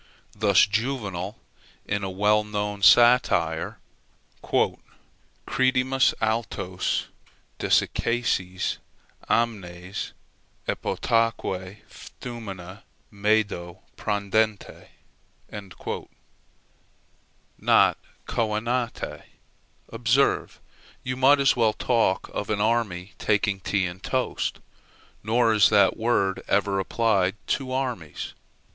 Thus Juvenal in a well known satire "Credimus altos Desiccasse amnes, epotaque ftumina, Medo Prandente." Not coenante, observe: you might as well talk of an army taking tea and toast. Nor is that word ever applied to armies.